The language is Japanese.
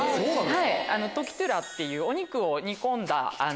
トキトゥラっていうお肉を煮込んだ。